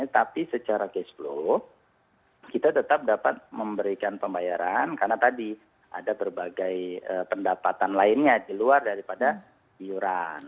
tapi secara cash flow kita tetap dapat memberikan pembayaran karena tadi ada berbagai pendapatan lainnya di luar daripada iuran